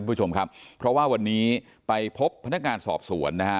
คุณผู้ชมครับเพราะว่าวันนี้ไปพบพนักงานสอบสวนนะฮะ